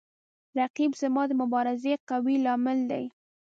رقیب زما د مبارزې قوي لامل دی